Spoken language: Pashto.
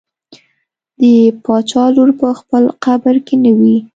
د باچا لور په خپل قبر کې نه وي.